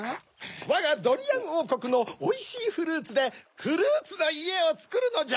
わがドリアンおうこくのおいしいフルーツでフルーツのいえをつくるのじゃ！